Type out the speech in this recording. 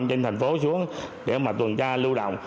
trên thành phố xuống để tuần tra lưu động